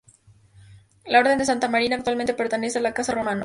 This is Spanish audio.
La Orden de Santa Ana, actualmente, pertenece a la Casa Románov.